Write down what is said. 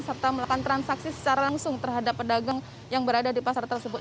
serta melakukan transaksi secara langsung terhadap pedagang yang berada di pasar tersebut